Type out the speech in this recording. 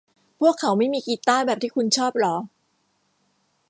พวกเขาไม่มีกีต้าร์แบบที่คุณชอบหรอ